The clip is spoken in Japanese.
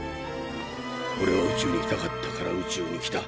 オレは宇宙に来たかったから宇宙に来た。